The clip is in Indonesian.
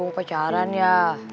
ah mau pacaran ya